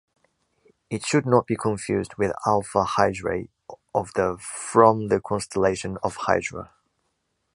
It should not be confused with Alpha Hydrae of the from the constellation of Hydra.